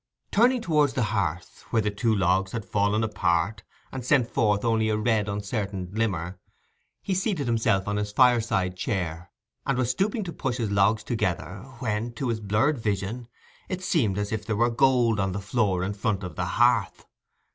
Turning towards the hearth, where the two logs had fallen apart, and sent forth only a red uncertain glimmer, he seated himself on his fireside chair, and was stooping to push his logs together, when, to his blurred vision, it seemed as if there were gold on the floor in front of the hearth.